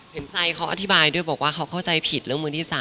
ไซดเขาอธิบายด้วยบอกว่าเขาเข้าใจผิดเรื่องมือที่๓